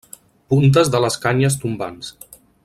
Puntes de les canyes tombants.